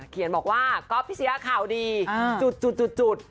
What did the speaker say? เขียนบอกว่าก๊อฟพิชยาข่าวดีจุด